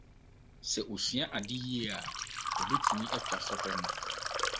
Sɛ osua ade yiye a, obetumi atwa sɔhwɛ no.